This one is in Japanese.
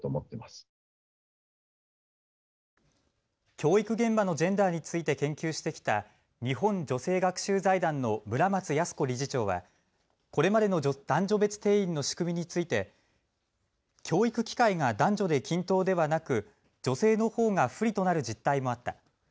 教育現場のジェンダーについて研究してきた日本女性学習財団の村松泰子理事長はこれまでの男女別定員の仕組みについて教育機会が男女で均等ではなく女性のほうが不利となる実態もあった。